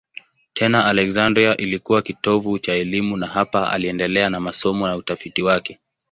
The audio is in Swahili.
Tena Aleksandria ilikuwa kitovu cha elimu na hapa aliendelea na masomo na utafiti wake.